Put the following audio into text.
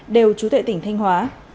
đều trú tệ tỉnh thanh hóa